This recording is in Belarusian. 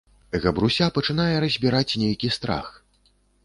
Габруся пачынае разбiраць нейкi страх...